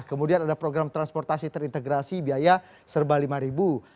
kemudian ada program transportasi terintegrasi biaya serba lima ribu